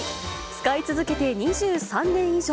使い続けて２３年以上。